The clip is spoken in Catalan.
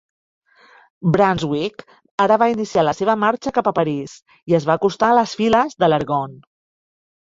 Brunswick ara va iniciar la seva marxa cap a París i es va acostar a les files de l'Argonne.